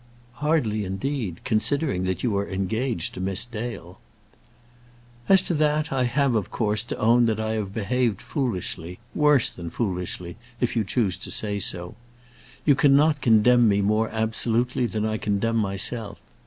"Hardly, indeed, considering that you are engaged to Miss Dale." "As to that I have, of course, to own that I have behaved foolishly; worse than foolishly, if you choose to say so. You cannot condemn me more absolutely than I condemn myself.